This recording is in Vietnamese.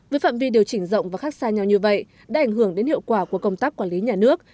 với phạm vi điều chỉnh rộng và khác xa nhau như vậy đã ảnh hưởng đến hiệu quả của công tác quản lý nhà nước